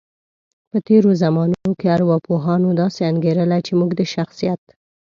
په تیرو زمانو کې ارواپوهانو داسې انګیرله، چی موږ د شخصیت